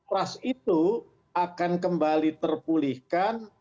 ras itu akan kembali terpulihkan